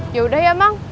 ya udah ya mang